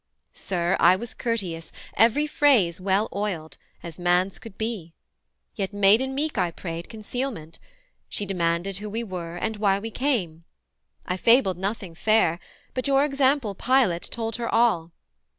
Sir, I was courteous, every phrase well oiled, As man's could be; yet maiden meek I prayed Concealment: she demanded who we were, And why we came? I fabled nothing fair, But, your example pilot, told her all.